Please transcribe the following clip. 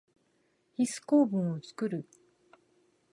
ヒス構文をつくる。